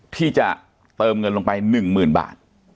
ที่จะเติมเงินลงไป๑๐๐๐บาท